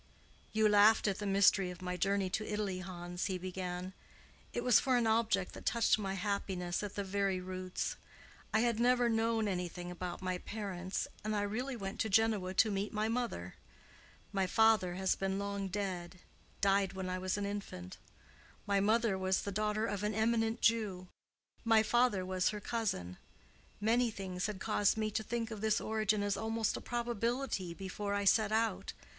"You laughed at the mystery of my journey to Italy, Hans," he began. "It was for an object that touched my happiness at the very roots. I had never known anything about my parents, and I really went to Genoa to meet my mother. My father has been long dead—died when I was an infant. My mother was the daughter of an eminent Jew; my father was her cousin. Many things had caused me to think of this origin as almost a probability before I set out.